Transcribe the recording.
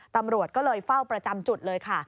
ตำรวจก็เลยเฝ้าประจำจุดเลยค่ะ